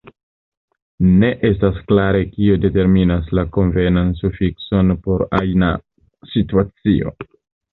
Ne estas klare kio determinas la konvenan sufikson por ajna situacio.